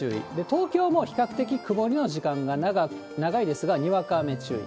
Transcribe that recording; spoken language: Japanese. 東京も比較的曇りの時間が長いですが、にわか雨注意。